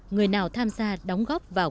người nào tham gia đóng góp vào